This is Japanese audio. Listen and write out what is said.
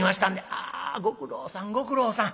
「あご苦労さんご苦労さん。